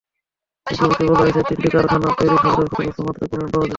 বিজ্ঞপ্তিতে বলা হয়েছে, তিনটি কারখানায় তৈরি খাবারে ক্ষতিকর মাত্রায় ক্রোমিয়াম পাওয়া যায়।